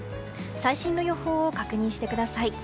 最新の予報を確認してください。